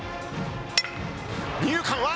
二遊間は？